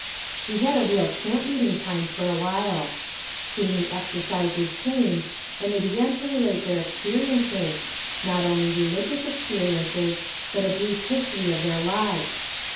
We had a real "camp meeting" time for a while. Soon the exercises changed, and they began to relate their experiences, not only religious experiences, but a brief history of their lives.